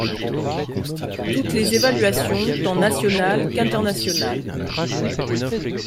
Toutes les évaluations, tant nationales qu'internationales.